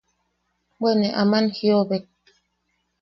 Bwe ne aman jiʼobek.